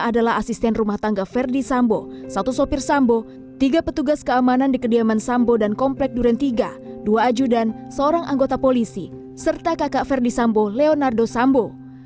adalah asisten rumah tangga verdi sambo satu sopir sambo tiga petugas keamanan di kediaman sambo dan komplek duren tiga dua ajudan seorang anggota polisi serta kakak ferdi sambo leonardo sambo